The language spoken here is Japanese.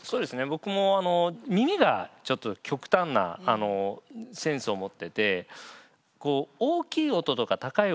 僕も耳がちょっと極端なセンスを持ってて。